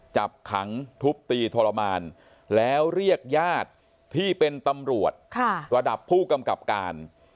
จับขังทุบตีทรมานแล้วเรียกญาติที่เป็นตำรวจระดับผู้กำกับการ